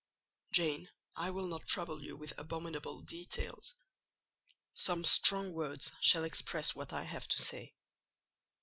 "Jane, I will not trouble you with abominable details: some strong words shall express what I have to say.